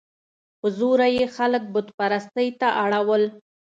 په زوره یې خلک بت پرستۍ ته اړول.